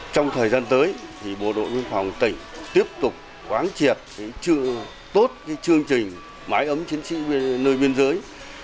trong thời gian tới thì bộ đội biên phòng tỉnh tiếp tục quán triệt tốt chương trình mái ấm chiến sĩ nơi biên giới